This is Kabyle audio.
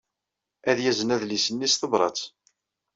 Ad yazen adlis-nni s tebṛat.